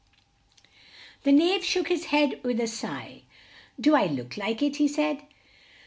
The Knave shook his head with a sigh. "Do I look like it?" he said.